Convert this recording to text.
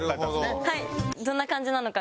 ハハハどんな感じなのか。